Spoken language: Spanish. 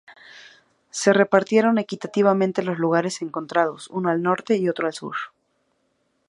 Se repartieron equitativamente los lugares encontrados uno al norte y otro al sur.